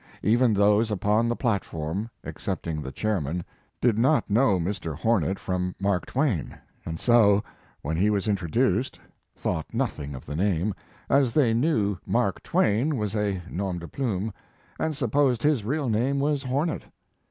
Even those upon the platform, excepting the chairman, did not know Mr. Hornet from Mark Twain, and so, when he was introduced, thought nothing of the name, as they knew "Mark Twain" was a nom de plume, and supposed his real name was Hornet.